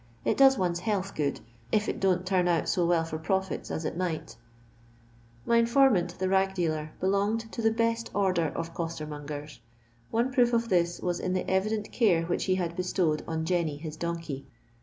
It does one's health good, if it don't turn out so well for profits as it might" My informant, the rag dealer, belonged to the best order of costcrmongers ; one proof of this was in the evident care which he had bestowed on Jenny, his donkey.